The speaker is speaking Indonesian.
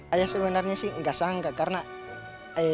ayah sebenarnya sih enggak sangka karena ayah itu gimana ya